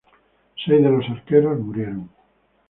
Seis de los arqueros murieron.